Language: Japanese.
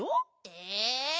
え。